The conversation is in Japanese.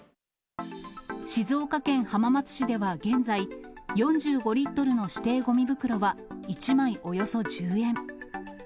静岡県浜松市では現在、４５リットルの指定ごみ袋は１枚およそ１０円。